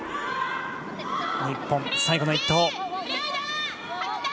日本、最後の一投。